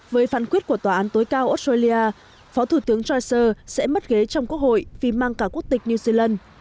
với phán quyết của tòa án tối cao australia phó thủ tướng cho sẽ mất ghế trong quốc hội vì mang cả quốc tịch new zealand